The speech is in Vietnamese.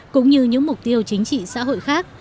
cũng như những mục tiêu chính trị xã hội khác